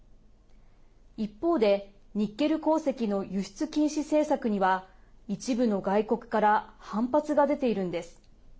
一方で、ニッケル鉱石の輸出禁止政策には一部の外国から反発が出ているんです。